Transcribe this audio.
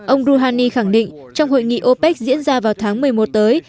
ông rouhani khẳng định trong hội nghị opec diễn ra vào tháng một mươi một tới